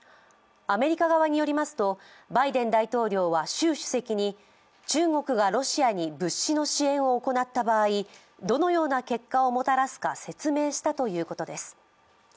アメリカ側によりますとバイデン大統領は習主席に中国がロシアに物資の支援を行った場合、どのような結果をもたらすか説明したということです。